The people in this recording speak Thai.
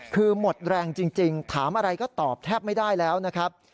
คือหมดแรงจริงถามอะไรก็ตอบแทบไม่ได้แล้วนะครับ